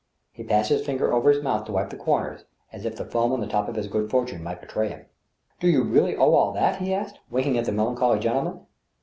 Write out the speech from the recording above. He passed his finger over his mouth to wipe ^he comers, as if the foam on the top of his good forture might betray him. " Do you really owe all that ?" he asked, winking at the melan choly gentleman.